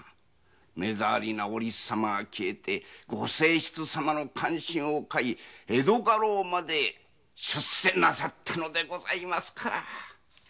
目障りなおりつ様が消えてご正室様の歓心を買い江戸家老まで出世なさったのでございますから。